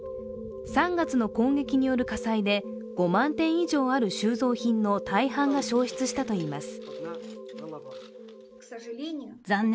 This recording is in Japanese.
３月の攻撃による火災で５万点以上ある収蔵品の大半が焼失したといいます。